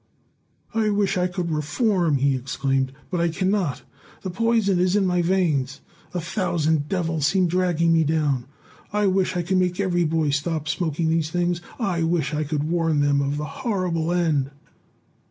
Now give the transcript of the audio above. "I wish I could reform," he exclaimed, "but I cannot! The poison is in my veins. A thousand devils seem dragging me down. I wish I could make every boy stop smoking those things. I wish I could warn them of the horrible end."